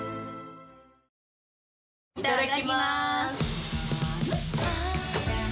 いただきます！